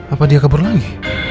apa dia kabur lagi